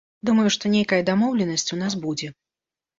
Думаю, што нейкая дамоўленасць у нас будзе.